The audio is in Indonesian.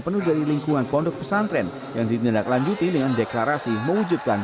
penuh dari lingkungan pondok pesantren yang ditindaklanjuti dengan deklarasi mewujudkan